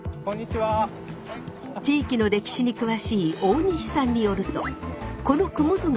地域の歴史に詳しい大西さんによるとこの雲出川